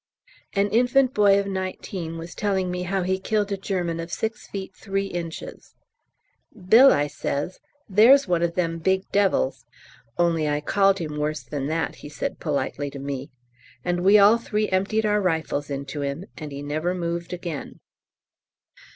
An infant boy of nineteen was telling me how he killed a German of 6 ft. 3 in. "Bill," I says, "there's one o' them big devils (only I called him worse than that," he said politely to me), "and we all three emptied our rifles into him, and he never moved again."